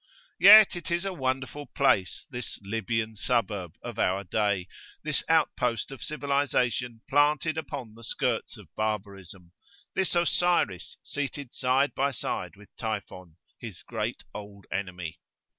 Yet it is a wonderful place, this "Libyan suburb" of our day, this outpost of civilisation planted upon the skirts of barbarism, this Osiris seated side by side with Typhon, his great old enemy.